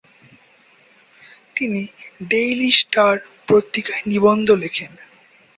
তিনি "Daily Star" পত্রিকায় নিবন্ধ লেখেন।